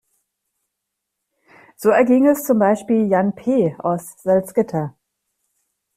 So erging es zum Beispiel Jan P. aus Salzgitter.